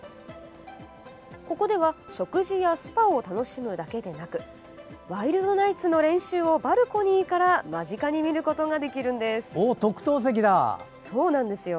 ここでは食事やスパを楽しむだけでなくワイルドナイツの練習をバルコニーから間近に見ることができるんです。